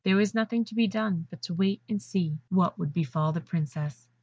There was nothing to be done but to wait and see what would befal the Princess.